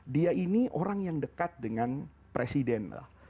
dia ini orang yang dekat dengan presiden